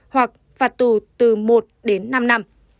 hoặc phạt tù từ một đến năm năm